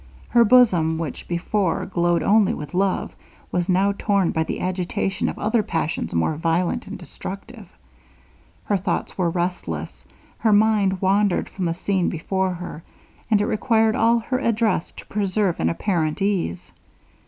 Her bosom, which before glowed only with love, was now torn by the agitation of other passions more violent and destructive. Her thoughts were restless, her mind wandered from the scene before her, and it required all her address to preserve an apparent ease.